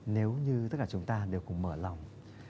nếu như tất cả chúng ta đều cùng mở lòng